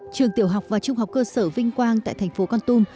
trường tiểu học và trung học cơ sở vinh quang tại thành phố con tum